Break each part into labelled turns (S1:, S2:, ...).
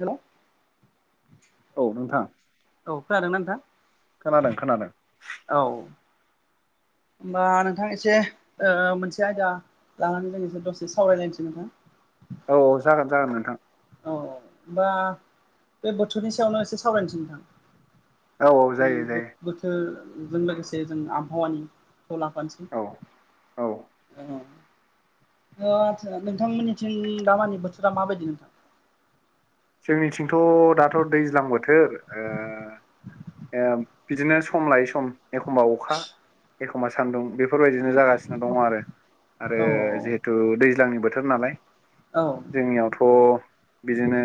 S1: Hello.
S2: औ नोंथां।
S1: औ खोनादों ना नोंथां?
S2: खोनादों खोनादों।
S1: औ। होमबा नोंथां एसे ओ मोनसे आयदा लानानै जों दसे सावरायलायनोसै नोंथां।
S2: औ औ जागोन जागोन नोंथां।
S1: औ औ होमबा बे बोथोरनि सायावनो एसे सावरायनोसै नोंथां।
S2: औ औ जायो
S1: [unintelligible]
S2: जायो
S1: बोथोर जों लोगोसे जों आबहावानि खौ लाफानोसै
S2: औ
S1: औ। अ आतसा नोंथांमोननिथिं दामानि बोथोरा माबायदि नोंथां?
S2: जोंनिथिंथ' दाथ' दैज्लां बोथोर ओ ओ बिदिनो सम लायै सम एखमबा अखा एखमबा सान्दुं बेफोरबायदिनो जागासिनो दङ आरो। आरो
S1: औ
S2: जिहेथु दैज्लांनि बोथोर नालाय।
S1: औ
S2: जोंनियावथ' बिदिनो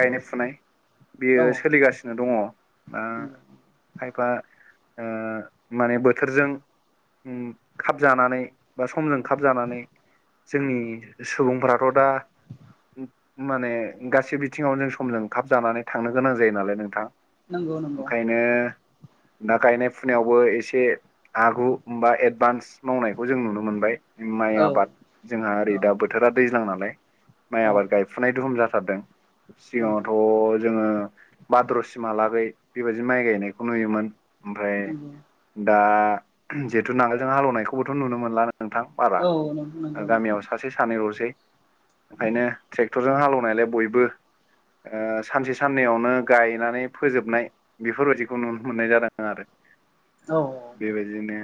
S2: गायनाय फुनाय बेयो
S1: औ
S2: सोलिगासिनो दङ'। दा खायफा ओ माने बोथोरजों। खाब जानानै बा समजों खाब जानानै जोंनि सुबुंफोराथ' दा माने गाससिबो बिथिंङाव जों समजों थाब जानानै थांनो गोनां जायो नालाय नोंथां।
S1: नंगौ नंगौ
S2: ओंखायनो। दा गायनाय फुनायावबो एसे। आगु बा एडभान्स मावनायखौ जों नुनो मोनबाय माइ
S1: औ
S2: आबाद। जोंहा ओरै
S1: औ
S2: दा बोथोरा दैज्लां नालाय माइ
S1: औ
S2: आबाद गायफुनाय दुहुम जाथारदों।
S1: औ नंगौ
S2: सिगाङावथ' जोङो भाद्र'सिमहालागै बेबायदि माइ गायनायखौ नुयोमोन। ओमफ्राय दा जिहेथु नांगोलजों हालेवनायखौबोथ' नुनो मोनला नोंथां। [unintelligible] ओ
S1: औ नंगौ नंगौ
S2: गामियाव
S1: नंगौ
S2: सासे सानैल'सै ओंखायनो ट्रेक्टरजों हालेवनायलाय बयबो ओ सानसे साननैयावनो गायनानै फोजोबनाय। बेफोरबायदिखौ नुनो मोननाय जादों आरो।
S1: औ।
S2: बेबायदिनो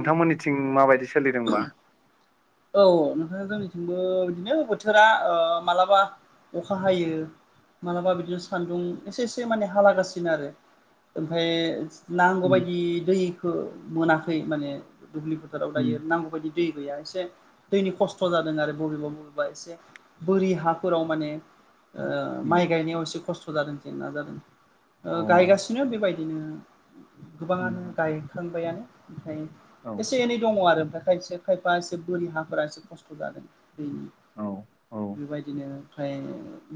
S1: औ
S2: माबायदि सोलिदोंबा।
S1: औ [unintelligible] जोंनिथिंबो बिदिनो बोथोरा ओ मालाबा अखा हायो। मालाबा बिदिनो सान्दुं एसे-एसे माने हालागासिनो आरो ओमफाय। नांगौ
S2: उम
S1: बायदि दैखो मोनाखै माने दुब्लि फोथाराव
S2: उम
S1: दायो नांगौ बायदि दै गैया एसे। दैनि खस्थ' जादों आरो बबेबा-बबेबा एसे बोरि हाफोराव माने। ओ
S2: उम
S1: माइ गायनायाव एसे खस्थ' जादों जेंना जादों गायगासिनो बेबायदिनो। गोबाङानो
S2: उम
S1: गायखांबायानो।
S2: औ
S1: [unintelligible] एसे एनै दङ' आरो ओमफ्राय खायसे खायफा एसे बोरि हाफोरा एसे खस्थ' जादों। [unintelligible]
S2: औ औ
S1: बेबायदिनो। ओमफ्राय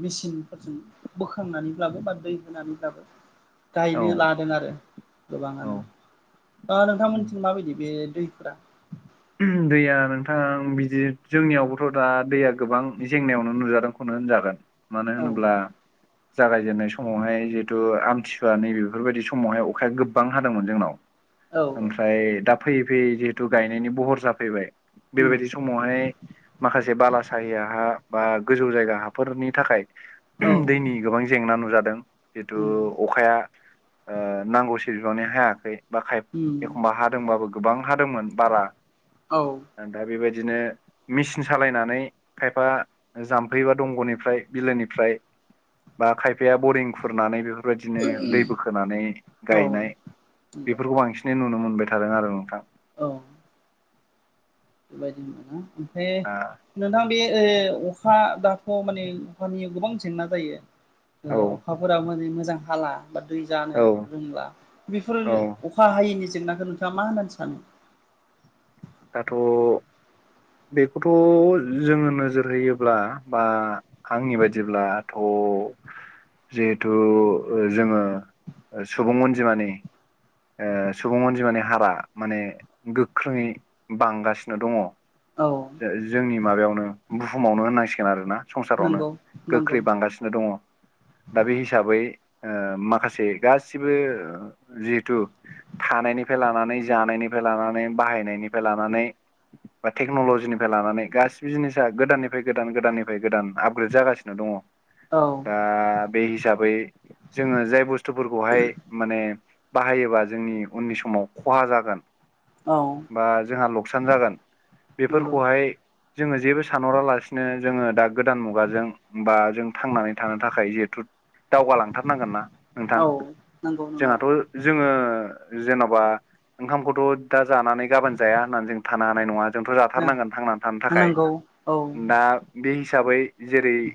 S1: मेसिनफोरजों बोखांनानैब्लाबो बा दै होनानैब्लाबो।
S2: औ
S1: गायनो लादों आरो गोबाङानो।
S2: औ
S1: दा
S2: उम
S1: नोंथांमोनथिं माबायदि बे दैफोरा।
S2: दैया नोंथां बिदि जोंनियावबोथ' दा दैया गोबां जेंनायावनो नुजादों खौनो होनजागोन। मानो
S1: औ
S2: होनोब्ला।
S1: [inaudible]
S2: जागायजेननाय समावहाय जिहेतु आमथिसुवा नैबेफोरबायदि समावहाय अखाया गोबां हादोंमोन जोंनाव।
S1: औ
S2: ओमफ्राय दा फैयै-फैयै जिहेथु गायनायनि बहर जाफैबाय
S1: उम
S2: बेबायदि सम समावहाय माखासे बाला साहिया हा बा गोजौ जायगा हाफोरनि थाखाय।
S1: औ
S2: दैनि
S1: उम
S2: गोबां जेंना नुजादों जिहेतु अखाया। ओ नांगौ बिबांनि हायाखै बा खाय
S1: उम
S2: एखमबा हादोंबाबो गोबां हादोंमोन बारा।
S1: औ।
S2: ओ दा बेबायदिनो। मेसिन सालायनानै खायफा जाम्फै बा दंग'निफ्राय बिलोनिफ्राय। बा खायफाया बरिं खुरनानै बेफोर बेफोरबायदिनो दै बोखोनानै
S1: औ
S2: गायनाय
S1: नंगौ
S2: बेफोरखौ बांसिन नुनो मोनबाय थादों आरो नोंथां।
S1: औ। बेबायदिनो [unintelligible]
S2: दा
S1: ओमफाय। नोंथां बे ओ अखा दाथ' माने अखानि गोबां जेंना जायो। ओ
S2: औ
S1: अखाफोरा माने मोजां हाला बा दै
S2: औ
S1: जानो रोंला। बेफोरो
S2: औ
S1: अखा हायैनि जेंनाखो नोंथांङा मा होनना सानो।
S2: दाथ' बेखौथ' जोङो नोजोर होयोब्ला बा। आंनि बायदिब्लाथ'। जिहेतु ओ जोङो सुबुं अनजिमानि। ओ सुबुं अनजिमानानि हारा माने गोख्रोङै बांगासिनो दङ।
S1: औ
S2: जो जोंनि माबायावनो बुहुमावनो होननांसिगोन आरो ना। संसारावनो
S1: नंगौ नंगौ
S2: गोख्रै बांगासिनो दङ। दा बे हिसाबै ओ माखासे गासिबो जि तु थानायनिफ्राय लानानै जानायनिफ्राय लानानै बाहायनायनिफ्राय लानानै। बा टेक्न'ल'जिनिफ्राय लानानै गासिबो जिनिसा गोदाननिफ्राय गोदान गोदाननिफ्राय गोदान आपग्रेद जागासिनो दङ'।
S1: औ
S2: दा बे हिसाबै जोङो जाय बुस्थुफोरखौहाय माने बाहायोबा जोंनि उननि समाव खहा जागोन।
S1: औ
S2: बा जोंहा लकसान जागोन
S1: नंगौ
S2: बेफोरखौहाय जोङो जेबो सानहरालासिनो जोङो दा गोदान मुगाजों बा जों थांनानै थानो थाखाय जिहेथु दावगालांथारनांगोन ना नोंथां
S1: औ नंगौ नंगौ
S2: जोंहाथ' जोङो जेन'बा ओंखामखौथ' दा जानानै गाबोन जाया होननानै जों थानो हानाय नङा जोंथ' जाथारनांगोन थांनानै थानो थाखाय
S1: नंगौ
S2: दा बे हिसाबै जेरै-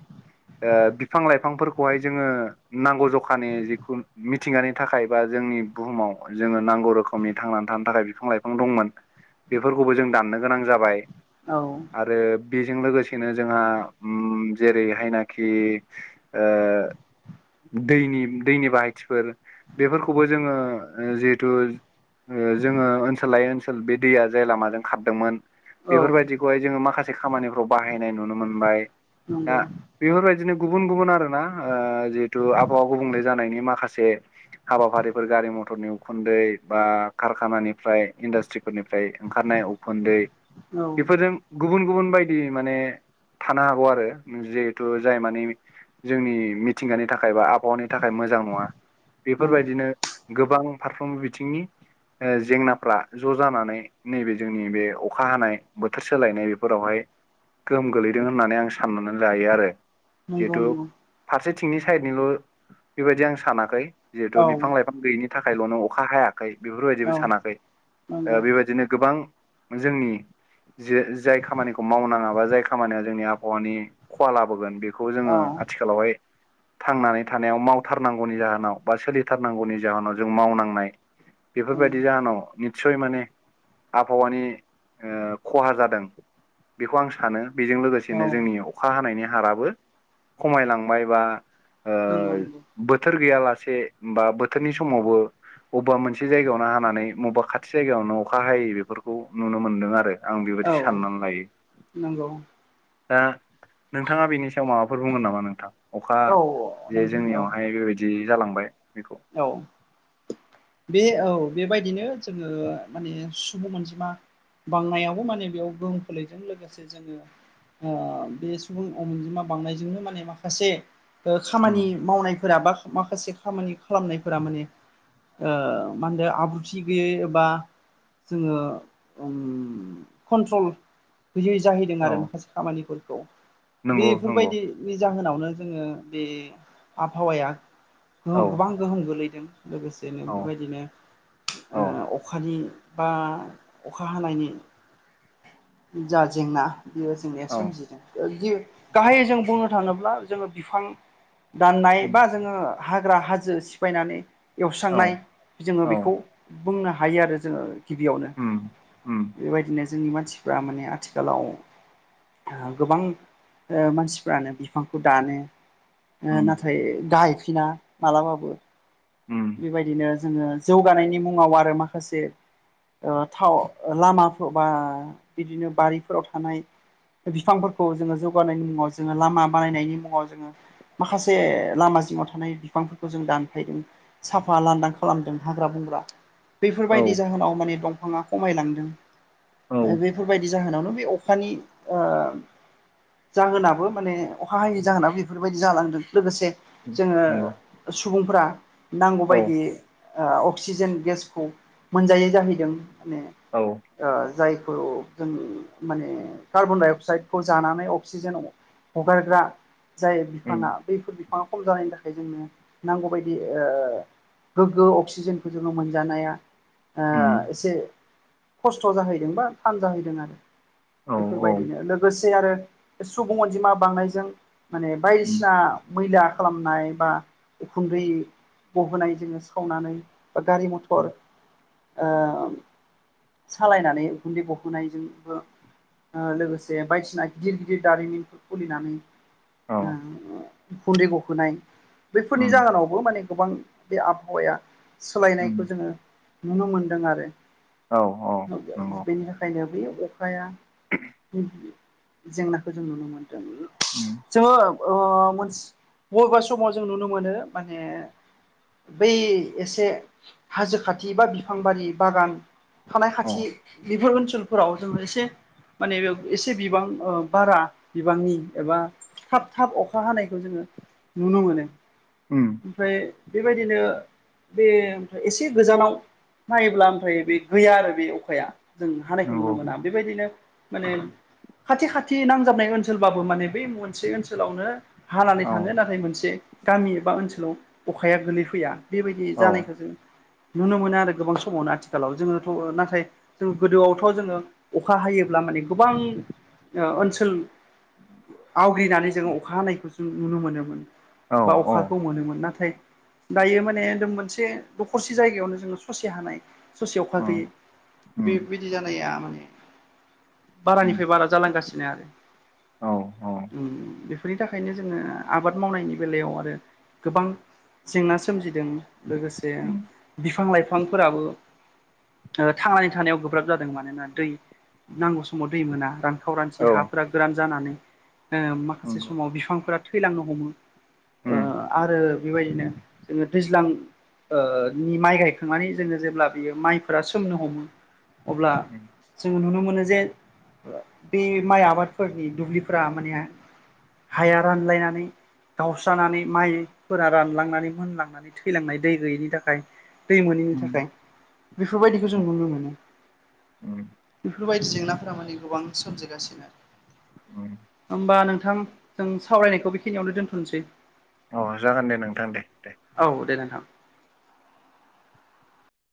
S2: ओ बिफां लाइफांफोरखौहाय जोङो नांगौ जखानि जिखुनु मिथिंगानि थाखाय बा जोंनि बुहुमाव जोङो नांगौ रोखोमनि थांनानै थानो थाखाय बिफां लाइफां दंमोन। बेफोरखौबो जों दाननो गोनां जाबाय
S1: औ
S2: आरो बेजों लोगोसेनो जोंहा जेरैहायनाखि ओ दैनि दैनि बायथिफोर बेफोरखौ खौबो जोङो जिहेथु ओ जोङो ओनसोल लायै ओनसोल बे दैया जाय लामाजों खारदोंमोन
S1: नंगौ औ
S2: बेफोरबायदिखौहाय जोङो माखासे खामानिफ्राव बाहायनाय नुनो मोनबाय
S1: औ
S2: दा बेफोरबायदिनो गुबुन गुबुन आरो ना जिहेतु आबहावा गुबुंले जानायनि माखासे हाबाफारिफोर गारि मथरनि उखुन्दै बा कारखानानिफ्राय इन्डासट्रिफोरनिफ्राय ओंखारनाय उखुन्दै बेफोरजों गुबुन गुबुन बायदि माने थानो हागौ आरो जिहेथु जाय माने जोंनि मिथिंगानि थाखाय बा आबहावानि थाखाय मोजां नङा बेफोरबायदिनो गोबां फारफ्रोमबो बिथिंनि जेंनाफ्रा ज' जानानै नैबे जोंनि बे अखा हानाय बोथोर सोलायनाय बेफोरावहाय गोहोम गोलैदों होननानै आं साननानै लायो आरो
S1: नंगौ
S2: जिहेतु
S1: नंगौ
S2: फारसेथिंनि साइदनिल' बेबायदि आं सानाखै जिहेथु
S1: औ
S2: बिफां लाइफां ओंखाम गैयिनि थाखायल'नो अखा हायाखै बेफोरबायदिबो
S1: औ
S2: सानाखै
S1: नंगौ
S2: बेबायदिनो गोबां जोंनि जे जाय खामानिखौ मावनाङााबा जाय खामानिया जोंनि आबहावानि खहा लाबोगोन बेखौ जोङो
S1: औ
S2: आथिखालावहाय थांनानै थानायाव मावथारनांगौनि जाहोनाव बा सोलिथारनांगौनि जाहोनाव जों मावनांनाय
S1: नंगौ
S2: बेफोरबायदि जाहोनाव निस्सय माने आबहावानि खहा जादों बेखौ आं सानो बेजों लोगोसेनो
S1: औ
S2: जोंनि अखा हानायनि हाराबो खमायलांबाय बा ओ
S1: नंगौ नंगौ
S2: बोथोर गैयालासे बा बोथोरनि समावबो अबेबा मोनसे जायगायावनो हानानै बबेबा खाथि जायगायावनो अखा हायै बेफोरखौ नुनो मोन्दों आरो आं बेबायदि
S1: औ
S2: साननानै लायो
S1: नंगौ
S2: दा नोंथाङा बेनि सायाव माबाफोर बुंगोन नामा नोंथां अखा
S1: औ
S2: जे
S1: नोंथां औ
S2: जोंनियावहाय बेबायदि जालांबाय बेखौ
S1: औ बे औ बेबायदिनो जोङो माने सुबुं अनजिमा बांनायावबो माने बेयाव गोहोम खोलैदों लोगोसे जोङो ओ बे सुबुं अनजिमा बांनायजोंनो माने माखासे ओ
S2: उम
S1: खामानि मावनायफोरा बा माखासे खामानि खालामनायफोरा माने ओ मा होनदो आब्रुथि गैयै एबा जोङो ओम कन्ट्रल गैयै जाहैदों
S2: औ
S1: आरो माखासे खामानिफोरखौ
S2: नंगौ नंगौ
S1: बेफोरबायदि बे जाहोनावनो जोङो बे आबहावाया गौ
S2: औ
S1: गोबां गोहोम गोलैदों। लोगोसेनो
S2: औ
S1: बेबायदिनो
S2: औ
S1: ओ अखानि बा अखा हानायनि जा जेंना बेयो जेंनाया
S2: औ
S1: सोमजिदों गि गाहायै जों बुंनो थाङोब्ला जोङो बिफां दाननाय
S2: उम
S1: बा जोङो हाग्रा हाजो सिफायनानै
S2: औ
S1: एवस्रांनाय जोङो
S2: औ
S1: बेखौ बुंनो हायो आरो जोङो गिबियावनो।
S2: उम उम
S1: बेबायदिनो जोंनि मानसिफ्रा माने आथिखालाव गोबां ओ मानसिफ्रानो बिफांखौ दानो। ओ
S2: उम
S1: नाथाय गायफिना मालाबाबो
S2: उम
S1: बेबायदिनो जोङो जौगानायनि मुङाव आरो माखासे ओ थाव लामाफोर बा बिदिनो बारिफोराव थानाय बिफांफोरखौ जोङो जौगानायनि मुङाव जोङो लामा बानायनायनि मुङाव जोङो माखासे लामा जिङाव थानाय बि फांफोरखौ जों दानफायदों साफा लान्दां खालामदों हाग्रा बंग्रा।
S2: औ
S1: बैफोरबायदि जाहोनाव माने दंफाङा खमायलांदों।
S2: औ
S1: ओ बेफोरबायदि जाहोनावनो बे अखानि ओ जाहोनाबो माने अखा हायै जाहोनाबो बेफोरबायदि जालांदों लोगोसे जोङो
S2: नंगौ
S1: सुबुंफोरा
S2: औ
S1: नांगौबायदि ओ अक्सिजेन गेसखौ मोनजायै जाहैदों माने
S2: औ
S1: ओ जायखौ जों माने कार्बन डाइ अक्साइदखौ जानानै अक्सिजेन हगारग्रा जाय
S2: उम
S1: बिफाङा बैफोर बिफाङा खम जानायनि थाखाय जोंनो नांगौबायदि ओ गोग्गो अक्सिजेनखौ जोङो मोनजानाया ओ
S2: उम
S1: एसे खस्थ' जाहैदों बा थान जाहैदों आरो।
S2: औ औ
S1: बेफोरबायदिनो लोगोसे आरो सुबुं अनजिमा बांनायजों माने
S2: उम
S1: बायदिसिना मैला खालामनाय बा उखुन्दै गबोनाय जोङो सावनानै बा गारि मथर
S2: उम
S1: ओ सालायनानै उखुन्दै गहोनायजोंबो ओ लोगोसे बायदिसिना गिदिर गिदिर दारिमिनफोर खुलिनानै
S2: औ
S1: ओ उखुन्दै गहोनाय बैफोरनि
S2: उम
S1: जाहोनावबो माने गोबां बे आबहावाया
S2: उम
S1: सोलायनायखौ जोङो नुनो मोनदों आरो।
S2: औ औ। नंगौ
S1: बेनि थाखायनो बै अखाया जेंनाखौ जों नुनो मोनदों।
S2: उम
S1: जोङो ओ मोनस बबेबा समाव जों नुनो मोनो माने बै एसे हाजो खाथि बा बिफांबारि बागान थानाय
S2: औ
S1: खाथि बेफोर ओनसोलफोराव जोङो एसे माने बेव एसे बिबां ओ बारा बिबांनि एबा थाब थाब अखा हानायखौ जोङो नुनो मोनो।
S2: उम
S1: ओमफ्राय बेबायदिनो बे ओमफ्राय एसे गोजानाव नायोब्ला ओमफ्राय बे गैया आरो बे अखाया। जों हानायखौ
S2: नंगौ
S1: नुनो मोना बेबायदिनो माने खाथि खाथि नांजाबनाय ओनसोलबाबो माने बै मनसे ओनसोलावनो हालानै
S2: औ
S1: थाङो नाथाय मोनसे गामि एबा ओनसोलाव अखाया गोलैफैया बिबायदि
S2: औ
S1: जानायखो जों नुनो मोनो आरो गोबां समावनो आथिखालाव जोङोथ' ओ नाथाय जों गोदोआवथ' जोङो अखा हायोब्ला माने गोबां ओ ओनसोल आवग्रिनानै जोङो अखा हानायखौ जों नुनो मोनोमोन
S2: औ
S1: बा
S2: औ
S1: अखाखौ मोनोमोन नाथाय दायो माने दोम मोनसे दखरसे जायगायावनो जोङो ससे हानाय ससेयाव खा
S2: उम
S1: गैयै
S2: उम
S1: बेबिदि जानाया माने
S2: उम
S1: बारानिफाय बारा जालांगासिनो आरो
S2: औ औ
S1: उम बेफ फ्रि थाखायनो जोङो आबाद मावनायनि बेलायाव आरो गोबां जेंना सो सोमजिदों लोगोसे
S2: उम
S1: बिफां लाइफांफोराबो ओ थांनानै थानायाव गोब्राब जादों मानोना दै नांगौ समाव दै मोना रां
S2: औ
S1: खावरानथि हाफोरा गोरान जानानै ओ माखासे
S2: नंगौ
S1: समाव बिफांफोरा थैलांनो हमो ओ
S2: उम
S1: आरो बेबायदिनो जोङो दैज्लां ओ नि माइ गायखांनानै जोङो जेब्ला बियो माइफोरा सोमनो हमो अब्ला
S2: उम
S1: जोङो नुनो मोनो जे बे माइ आबादफोरनि दुब्लिफोरा माने हाया रानलायनानै गावस्रानानै माइफोरा रानलांनानै मोनलांनानै थैलांनाय दै गैयैनि थाखाय दै मोनैनि
S2: उम
S1: थाखाय बेफोरबायदिखौ जों
S2: उम
S1: नुनो मोनो
S2: उम
S1: बेफोरबायदि जेंनाफोरा माने गोबां सोमजिगासिनो
S2: उम
S1: होमबा नोंथां जों सावरायनायखौ बेखिनियावनो दोनथ'नसै
S2: अ जागोन दे नोंथां दे दे
S1: औ दे नोनथां